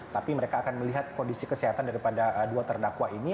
tapi mereka akan melihat kondisi kesehatan daripada dua terdakwa ini